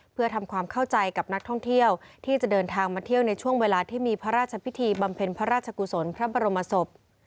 เพื่อทำความเข้าใจกับนักท่องเที่ยวที่จะเดินทางมาเที่ยวในช่วงเวลาที่มีพระราชพิธีบำเพ็ญพระราชกุศลพระบรมศพ